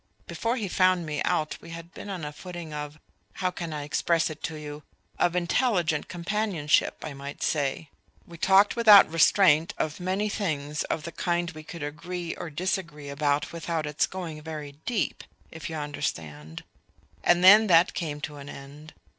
Before he found me out we had been on a footing of how can I express it to you? of intelligent companionship, I might say. We talked without restraint of many things of the kind we could agree or disagree about without its going very deep ... if you understand. And then that came to an end.